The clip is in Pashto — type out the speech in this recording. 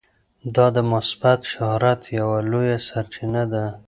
دا د مثبت شهرت یوه لویه سرچینه ده.